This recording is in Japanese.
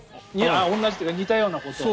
同じというか似たようなことを。